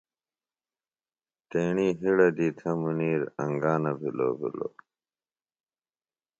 تیݨی ہِڑہ دی تھےۡ مُنیر انگا نہ بِھلوۡ بِھلوۡ۔